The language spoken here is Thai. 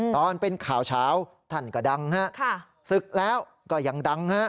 ตอนเป็นข่าวเช้าท่านก็ดังฮะศึกแล้วก็ยังดังฮะ